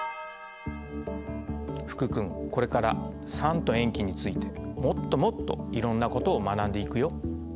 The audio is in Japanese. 福君これから酸と塩基についてもっともっといろんなことを学んでいくよ。